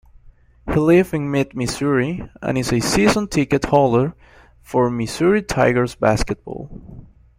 He lives in mid-Missouri, and is a season-ticket holder for Missouri Tigers basketball.